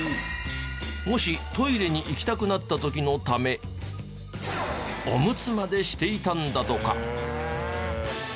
もしトイレに行きたくなった時のためオムツまでしていたんだとか。